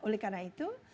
oleh karena itu